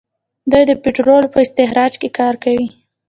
دوی د پټرولو په استخراج کې کار کوي.